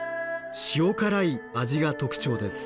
塩辛い味が特徴です。